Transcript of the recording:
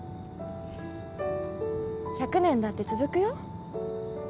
１００年だって続くよ